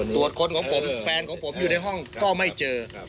ตรวจคนของผมแฟนของผมอยู่ในห้องก็ไม่เจอ